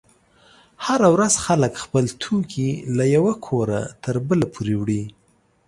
هره ورځ خلک خپل توکي له یوه کوره تر بله پورې وړي.